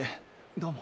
どうも。